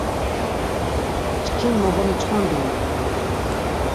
Çkin mogomiç̌ǩondinap.